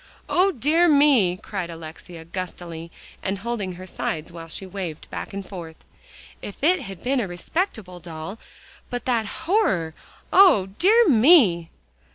"O dear me!" cried Alexia gustily, and holding her sides while she waved back and forth; "if it had been a respectable doll, but that horror! O dear me!"